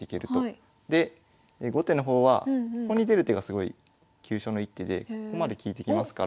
で後手の方はここに出る手がすごい急所の一手でここまで利いてきますから。